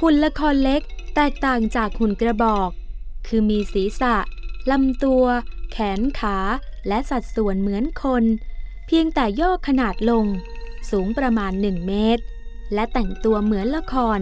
หุ่นละครเล็กแตกต่างจากหุ่นกระบอกคือมีศีรษะลำตัวแขนขาและสัดส่วนเหมือนคนเพียงแต่โยกขนาดลงสูงประมาณ๑เมตรและแต่งตัวเหมือนละคร